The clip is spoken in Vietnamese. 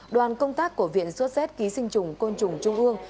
đoàn công tác của viện sốt z ký sinh trùng côn trùng trung ương